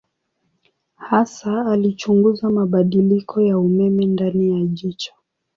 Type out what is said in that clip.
Hasa alichunguza mabadiliko ya umeme ndani ya jicho.